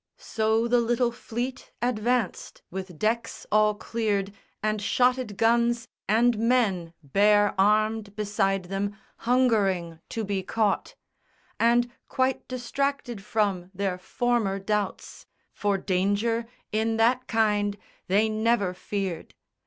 So the little fleet advanced With decks all cleared and shotted guns and men Bare armed beside them, hungering to be caught, And quite distracted from their former doubts; For danger, in that kind, they never feared.